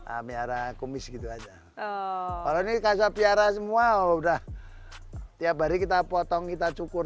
amiara kumis gitu aja kalau ini kaca piara semua udah tiap hari kita potong kita cukur